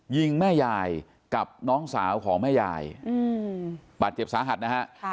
ยิงแม่ยายกับน้องสาวของแม่ยายบาดเจ็บสาหัสนะฮะ